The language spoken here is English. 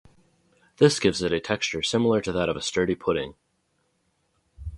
This gives it a texture similar to that of a sturdy pudding.